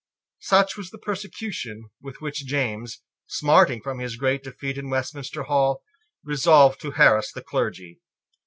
Such was the persecution with which James, smarting from his great defeat in Westminster Hall, resolved to harass the clergy.